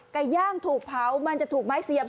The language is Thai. ไก่ย่างถูกเผามันจะถูกไม้เสียบ